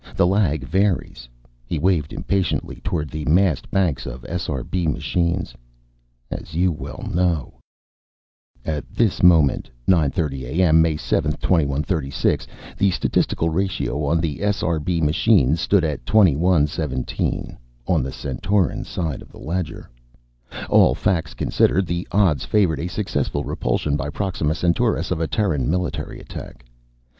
The lag varies." He waved impatiently toward the massed banks of SRB machines. "As you well know." At this moment, 9:30 AM, May 7, 2136, the statistical ratio on the SRB machines stood at 21 17 on the Centauran side of the ledger. All facts considered, the odds favored a successful repulsion by Proxima Centaurus of a Terran military attack.